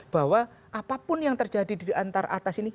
bahwa apapun yang terjadi di antar atas ini